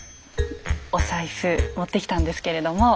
お財布持ってきたんですけれどもちょっと。